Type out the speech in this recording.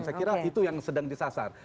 saya kira itu yang sedang disasar